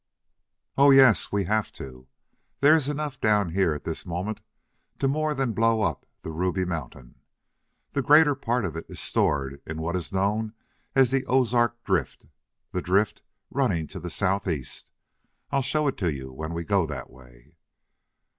"Oh, yes, we have to. There is enough down here at this moment to more than blow up the Ruby Mountain. The greater part of it is stored in what is known as the Ozark drift, the drift running to the southeast. I'll show it to you when we go that way."